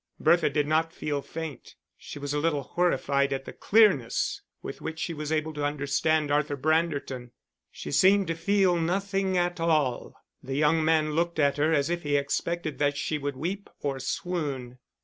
Bertha did not feel faint. She was a little horrified at the clearness with which she was able to understand Arthur Branderton. She seemed to feel nothing at all. The young man looked at her as if he expected that she would weep or swoon.